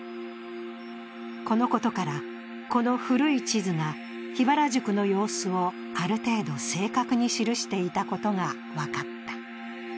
このことから、この古い地図が桧原宿の様子をある程度正確に記していたことが分かった。